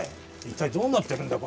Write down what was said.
一体どうなってるんだ